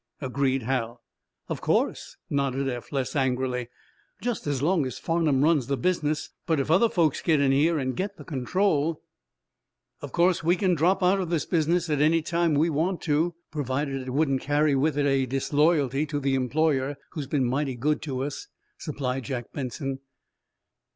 agreed Hal. "Of course," nodded Eph, less angrily. "Just as long as Farnum runs the business. But, if other folks get in here and get the control " "Of course, we can drop out of this business at any time we want to, provided it wouldn't carry with it disloyalty to the employer who's been mighty good to us," supplied Jack Benson.